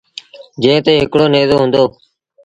جݩهݩ تي هڪڙو نيزو هُݩدو۔